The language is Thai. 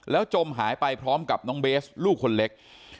จมหายไปพร้อมกับน้องเบสลูกคนเล็ก